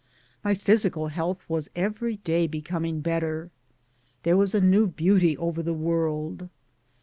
My physical health was every day becoming better. There was a new beauty over the world.